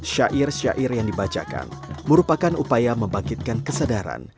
syair syair yang dibacakan merupakan upaya membangkitkan kesadaran